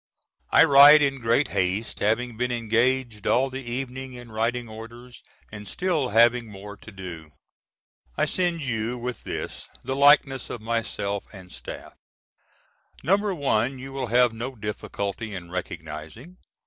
I write in great haste having been engaged all the evening in writing orders, and still having more to do. I send you with this the likeness of myself and staff. N^o 1 you will have no difficulty in recognizing.